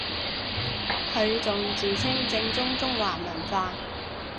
佢仲自稱正宗中華文化